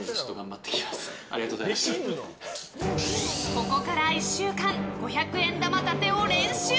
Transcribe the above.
ここから１週間五百円玉立てを練習。